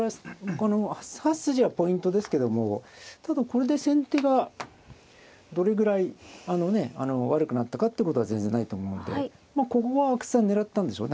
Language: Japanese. この８筋はポイントですけどもただこれで先手がどれぐらい悪くなったかってことは全然ないと思うんでまあここは阿久津さん狙ったんでしょうね